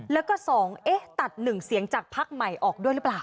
แล้วก็๒เอ๊ะตัด๑เสียงจากพักใหม่ออกด้วยหรือเปล่า